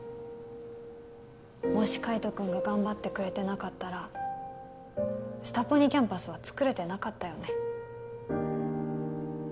もし海斗君が頑張ってくれてなかったらスタポニキャンパスは作れてなかったよね